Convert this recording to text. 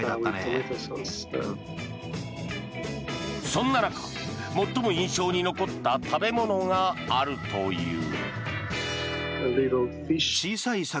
そんな中、最も印象に残った食べ物があるという。